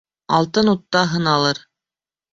Алтын утта һыналыр